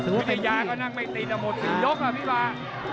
มิถยาก็นั่งไม่ติดอะหมดอีกยกอ่ะพี่ป่า